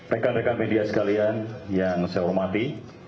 rekan rekan media sekalian yang saya hormati